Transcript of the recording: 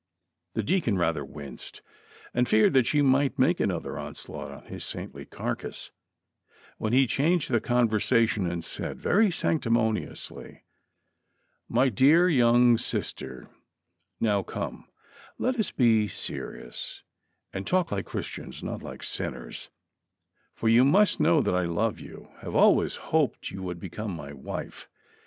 The deacon ratlier winced, and feared that she might make another onslaught on his saintly carcass, when he changed the conversation and said, very sanctimoniously: " My dear young sister, now come, let us be serious, and talk like Christians, not like sinners ; for you must know that 1 love you, have always hoped you would become my wife.